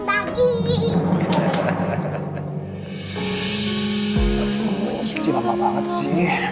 asik tengah pagi